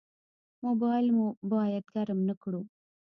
موبایل مو باید ګرم نه کړو.